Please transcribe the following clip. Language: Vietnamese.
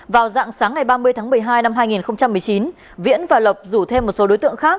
vào dạng sáng ngày ba mươi tháng một mươi hai năm hai nghìn một mươi chín viễn và lộc rủ thêm một số đối tượng khác